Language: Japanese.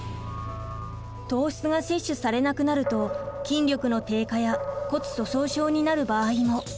糖質が摂取されなくなると筋力の低下や骨粗しょう症になる場合も。